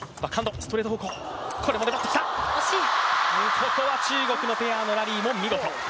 ここは中国のペアのラリーも見事。